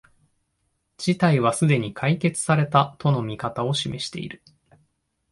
事態はすでに解決された、との見方を示している